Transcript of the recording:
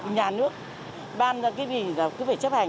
nhà nước ban ra cái gì là cứ phải chấp hành